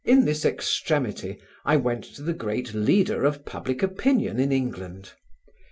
In this extremity I went to the great leader of public opinion in England.